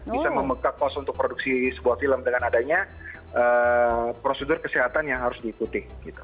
bisa membuka kos untuk produksi sebuah film dengan adanya prosedur kesehatan yang harus diikuti gitu